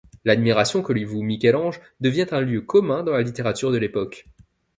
L'admiration que lui voue Michel-Ange devient un lieu commun dans la littérature de l'époque.